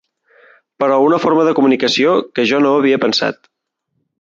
Però una forma de comunicació que jo no havia pensat.